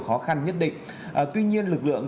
khó khăn nhất định tuy nhiên lực lượng